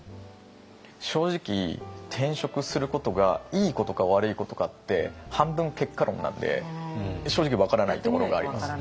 正直転職することがいいことか悪いことかって半分結果論なんで正直分からないところがあります。